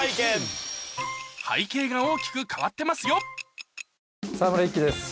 背景が大きく変わってますよ沢村一樹です